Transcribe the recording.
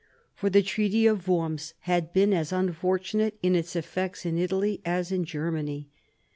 For the Treaty of Worms had been as unfortunate in its effects in Italy as in Germany.